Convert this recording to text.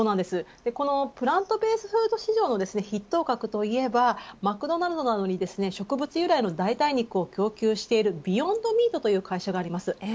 プラントベースフード市場の筆頭格といえばマクドナルドなどに植物由来の代替肉を供給しているビヨンドミートという会社があります。